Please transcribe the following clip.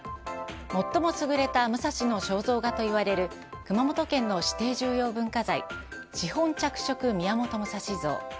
最も優れた武蔵の肖像画といわれる熊本県の指定重要文化財「紙本著色宮本武蔵像」。